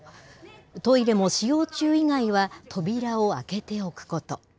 トイレも使用中以外は扉を開けておくこと。